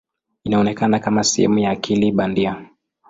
Inaonekana kama sehemu ya akili bandia.